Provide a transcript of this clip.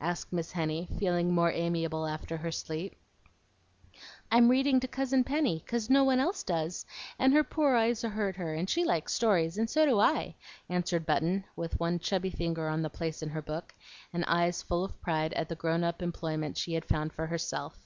asked Miss Henny, feeling more amiable after her sleep. "I'm reading to Cousin Penny, 'cause no one else does, and her poor eyes hurt her, and she likes stories, and so do I," answered Button, with one chubby finger on the place in her book, and eyes full of pride at the grown up employment she had found for herself.